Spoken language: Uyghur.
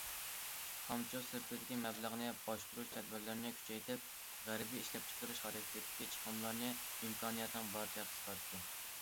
خامچوت سىرتىدىكى مەبلەغنى باشقۇرۇش تەدبىرلىرىنى كۈچەيتىپ، غەيرىي ئىشلەپچىقىرىش خاراكتېرىدىكى چىقىملارنى ئىمكانىيەتنىڭ بارىچە قىسقارتتى.